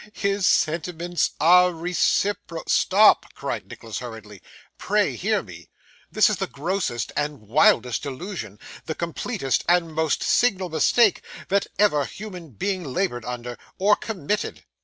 His sentiments are recipro ' 'Stop,' cried Nicholas hurriedly; 'pray hear me. This is the grossest and wildest delusion, the completest and most signal mistake, that ever human being laboured under, or committed.